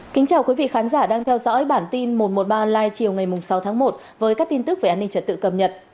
kính chào quý vị khán giả đang theo dõi bản tin một trăm một mươi ba online chiều ngày sáu tháng một với các tin tức về an ninh trật tự cập nhật